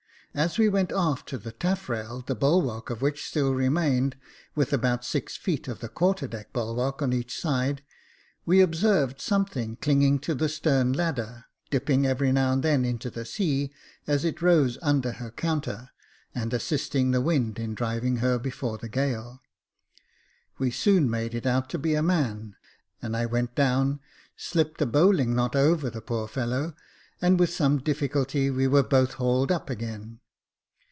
As we went aft to the taffrail, the bulwark of which still remained, with about six feet of the quarter deck bulwark on each side, we observed something clinging to the stern ladder, dipping every now and then into the sea, as it rose under her counter, and assisted the wind in driving her before the gale. We soon made it out to be a man, and I went down, slipped a bowling knot over the poor fellow, and with some difficulty we were both hauled up again.